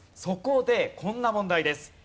そこでこんな問題です。